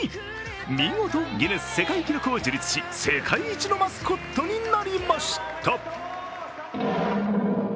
見事、ギネス世界記録を樹立し、世界一のマスコットになりました。